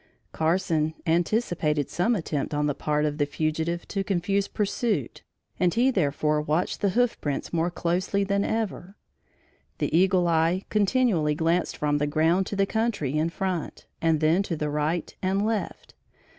Carson anticipated some attempt on the part of the fugitive to confuse pursuit and he, therefore, watched the hoof prints more closely than ever. The eagle eye continually glanced from the ground to the country in front, and then to the right and left.